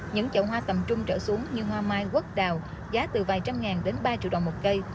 những chậu hoa tầm trung trở xuống như hoa mai quốc đào giá từ vài trăm ngàn đến ba triệu đồng một cây